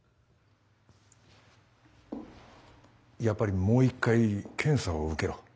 やっぱりもう一回検査を受けろ。